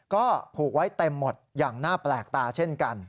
ก็ผูกไว้เต็มหมดอย่างน่าแปลกตาเช่นกัน